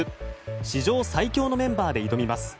史上最強のメンバーで挑みます。